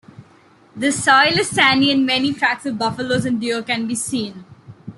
The soil is sandy and many tracks of buffalo and deer can be seen.